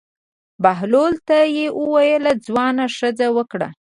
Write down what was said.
بهلول ته یې وویل: ځوانه ښځه وکړه.